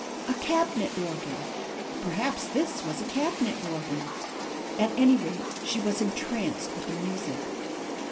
A "cab'net organ." Perhaps this was a cab'net organ. At any rate, she was entranced with the music.